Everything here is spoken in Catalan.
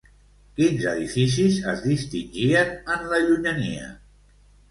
Quins edificis es distingien en la llunyania?